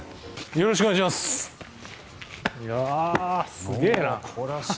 よろしくお願いします。